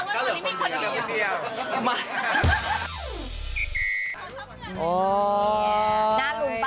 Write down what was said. ก็เหลือคนเดียว